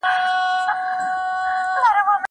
هغه څوک چي ږغ اوري پام کوي!؟